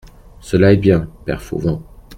Cela est bien, père Fauvent.